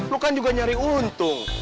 lu kan juga nyari untung